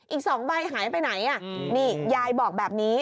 อีก๒ใบหายไปไหนนี่ยายบอกแบบนี้